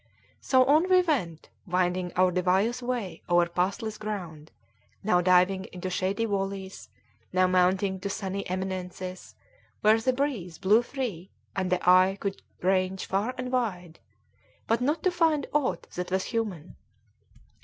So on we went, winding our devious way over pathless ground, now diving into shady valleys, now mounting to sunny eminences where the breeze blew free and the eye could range far and wide, but not to find aught that was human.